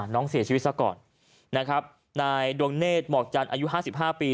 น้องเสียชีวิตซะก่อนนายดวงเนธหมอกจันทร์อายุ๕๕ปี